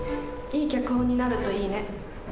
いい脚本になるといいね。